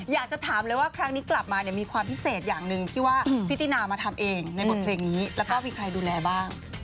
อยากจะถามเลยว่าครั้งนี้กลับมาเนี่ยมีความพิเศษอย่างหนึ่งที่ว่าพี่ตินามาทำเองในบทเพลงนี้แล้วก็มีใครดูแลบ้าง